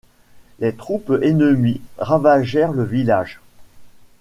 Les troupes ennemies ravagèrent le village.